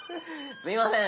すいません。